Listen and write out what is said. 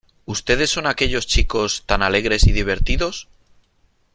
¿Ustedes son aquellos chicos tan alegres y divertidos?